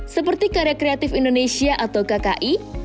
seperti karya kreatif indonesia atau kki